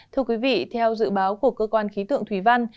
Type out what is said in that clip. thưa quý vị theo dự báo của cơ quan khí tượng thủy văn